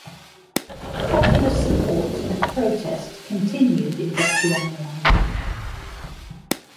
Popular support and protest continued in Bechuanaland.